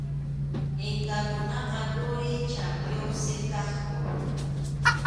Inkakunaqa quri champiyuqsi kaqku.